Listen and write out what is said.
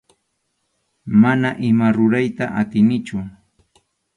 Mana ima rurayta atinichu.